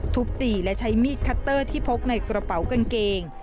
ทุบตีและใช้มีดคัตเตอร์ที่พกในกระเป๋ากางเกง